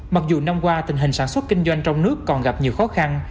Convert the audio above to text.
mặc dù năm qua tình hình sản xuất kinh doanh trong nước còn gặp nhiều khó khăn